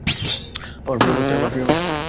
আমার প্রিয় অনুষ্ঠান।